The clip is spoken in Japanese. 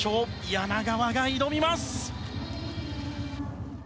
柳川が挑みます！